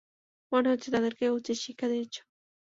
মনে হচ্ছে তাদেরকে উচিৎ শিক্ষা দিয়েছো।